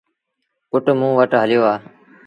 پُٽ موݩ وٽ هليو آ۔